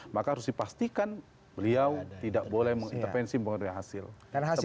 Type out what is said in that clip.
maka harus dipastikan beliau tidak boleh mengintervensi menggunakan hasil